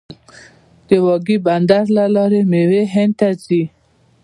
د واګې بندر له لارې میوې هند ته ځي.